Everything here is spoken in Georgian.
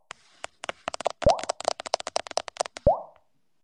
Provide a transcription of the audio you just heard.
გატანის შანსი ორივე გუნდს ჰქონდა.